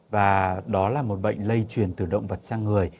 và đó là một bệnh lây truyền từ động vật sang người